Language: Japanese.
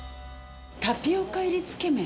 タピオカ入りつけめん。